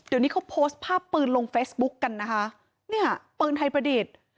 เดี๋ยวนี้เขาโพสต์ภาพปืนลงเฟซบุ๊กกันนะคะเนี่ยปืนไทยประดิษฐ์